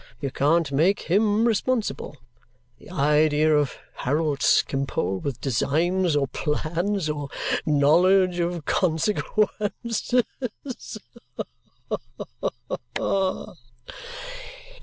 You can't make HIM responsible. The idea of Harold Skimpole with designs or plans, or knowledge of consequences! Ha, ha, ha!"